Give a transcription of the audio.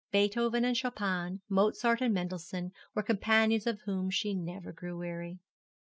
Beethoven and Chopin, Mozart and Mendelssohn were companions of whom she never grew weary.